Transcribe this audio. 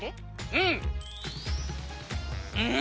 うん！